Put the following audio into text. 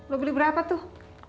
lu beli berapa tuh